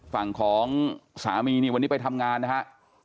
ฝั่งของสามีนี่วันนี้ไปทำงานนะฮะ